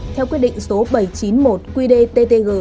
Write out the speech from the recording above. theo quyết định số bảy trăm chín mươi một qdttg